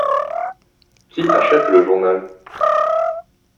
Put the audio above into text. Qui achète le journal ?